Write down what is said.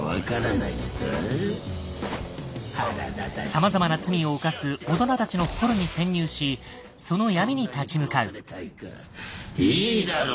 さまざまな罪を犯す大人たちの心に潜入しその闇に立ち向かう。